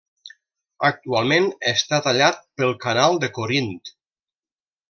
Actualment està tallat pel canal de Corint.